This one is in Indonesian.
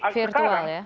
pertanyaan virtual ya